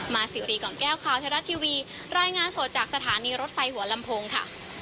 สิวรีก่อนแก้วข่าวไทยรัฐทีวีรายงานสดจากสถานีรถไฟหัวลำโพงค่ะ